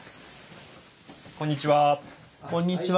こんにちは。